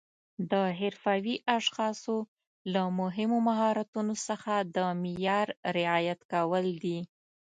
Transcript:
د حرفوي اشخاصو له مهمو مهارتونو څخه د معیار رعایت کول دي.